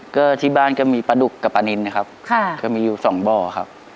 ก็ที่บ้านก็มีปลาดุกกับปลานินนะครับก็มีอยู่สองบ่อครับ